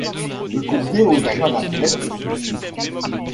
Le courrier hocha la tête, soucieux.